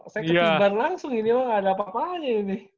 saya ketimban langsung ini oh gak ada apa apaan ini